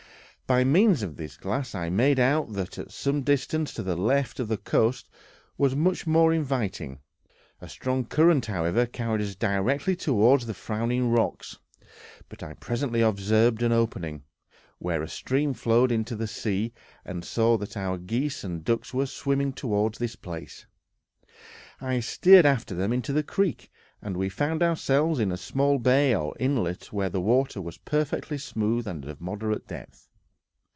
By means of this glass, I made out that at some distance to the left the coast was much more inviting; a strong current however, carried us directly toward the frowning rocks, but I presently observed an opening, where a stream flowed into the sea, and saw that our geese and ducks were swimming towards this place. I steered after them into the creek, and we found ourselves in a small bay or inlet where the water was perfectly smooth and of moderate depth.